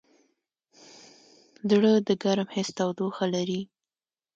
زړه د ګرم حس تودوخه لري.